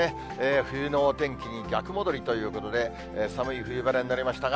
冬のお天気に逆戻りということで、寒い冬晴れになりましたが。